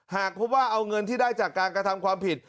หากพบว่าเอาเงินที่ได้จากการกระทำความผิด